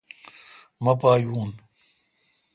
مہ پا یون۔